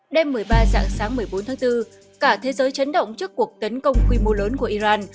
đêm một mươi ba dạng sáng một mươi bốn tháng bốn cả thế giới chấn động trước cuộc tấn công quy mô lớn của iran